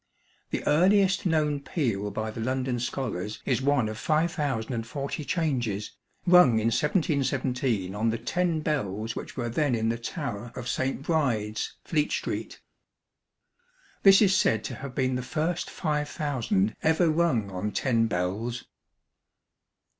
The earliest known peal by the London Scholars is one of 5040 changes, rung in 1717 on the ten bells which were then in the tower of St Bride's, Fleet Street. This is said to have been the first five thousand ever rung on ten bells.